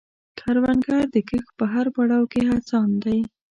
کروندګر د کښت په هر پړاو کې هڅاند دی